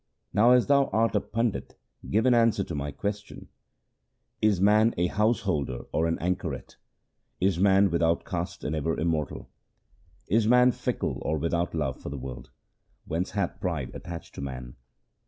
Now as thou art a pandit give an answer to my questions :— Is man a householder or an anchoret ? Is man without caste and ever immortal ? LIFE OF GURU AMAR DAS 135 Is man fickle or without love for the world ? Whence hath pride attached to man